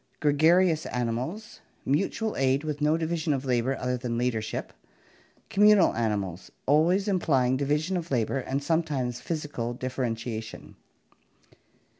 Gregarious animals. Mutual aid with no division of labor other than leadership. Communal animals. Always implying division of labor and sometimes physical differentiation.